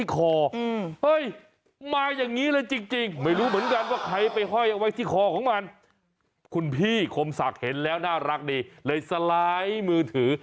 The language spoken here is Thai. คุณพี่คมศักดิ์เห็นแล้วน่ารักดีเลยสไลด์มือถือ